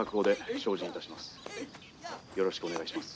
「よろしくお願いします」。